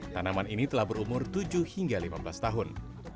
tanaman ini telah berumur tujuh hingga lima belas tahun